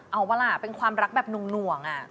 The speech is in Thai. เอาปะล่ะเป็นความรักแบบหน่วง